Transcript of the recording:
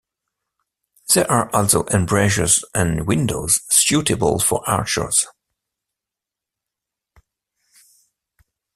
There are also embrasures and windows suitable for archers.